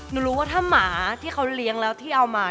หนูรู้ว่าถ้าหมาที่เขาเลี้ยงแล้วที่เอามา